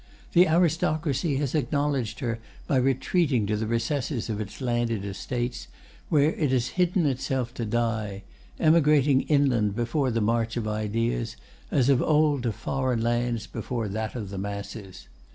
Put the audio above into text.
"The aristocracy has acknowledged her by retreating to the recesses of its landed estates, where it has hidden itself to die—emigrating inland before the march of ideas, as of old to foreign lands before that of the masses.